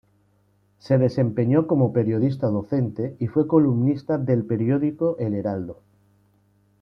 Se desempeñó como periodista docente y fue columnista del periódico El Heraldo.